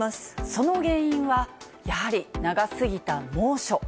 その原因はやはり、長すぎた猛暑。